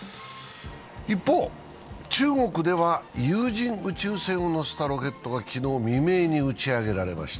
一方、中国では有人宇宙船を載せたロケットが昨日未明に打ち上げられました。